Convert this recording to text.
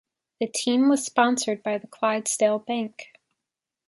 The team was sponsored by the Clydesdale Bank.